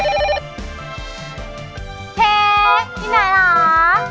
เชฟเอ้ยนี่ที่ไหนหรอ